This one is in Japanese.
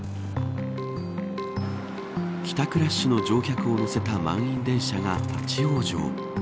帰宅ラッシュの乗客を乗せた満員電車が立ち往生。